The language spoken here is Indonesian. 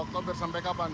dua oktober sampai kapan